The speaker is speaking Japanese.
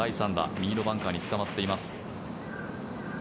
右のバンカーにつかまっています。